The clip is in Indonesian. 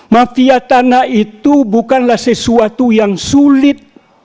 mafia tanah itu bukanlah sesuatu yang sulit